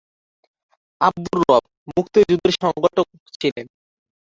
আবদুর রব মুক্তিযুদ্ধের সংগঠক ছিলেন।